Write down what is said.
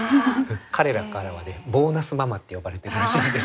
彼らからはねボーナスママって呼ばれてるらしいですけれど。